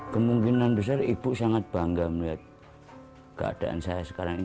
kemungkinan besar ibu sangat bangga melihat keadaan saya sekarang ini